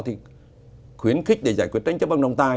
thì khuyến khích để giải quyết tranh chấp bằng đồng tài